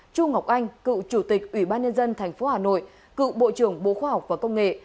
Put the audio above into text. chu ngọc anh cựu chủ tịch ủy ban nhân dân tp hà nội cựu bộ trưởng bộ khoa học và công nghệ